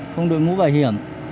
không đội mũ bảo hiểm